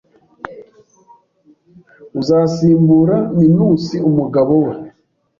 Uzasimbura Ninus umugabo we